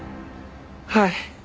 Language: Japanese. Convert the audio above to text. はい。